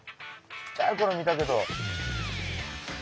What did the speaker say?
ちっちゃいころ見たけど。